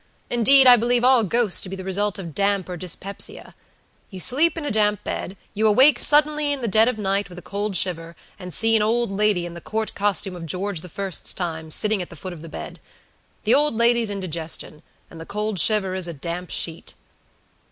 Indeed, I believe all ghosts to be the result of damp or dyspepsia. You sleep in a damp bedyou awake suddenly in the dead of the night with a cold shiver, and see an old lady in the court costume of George the First's time, sitting at the foot of the bed. The old lady's indigestion, and the cold shiver is a damp sheet."